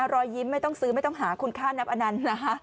รอยยิ้มไม่ต้องซื้อไม่ต้องหาคุณค่านับอนันต์นะคะ